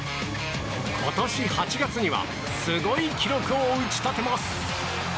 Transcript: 今年８月にはすごい記録を打ち立てます。